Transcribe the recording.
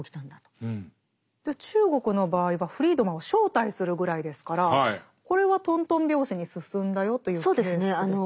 中国の場合はフリードマンを招待するぐらいですからこれはとんとん拍子に進んだよというケースですか。